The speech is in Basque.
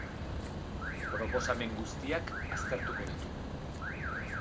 Proposamen guztiak aztertuko ditugu.